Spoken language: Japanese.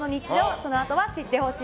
そのあとは知ってほしい！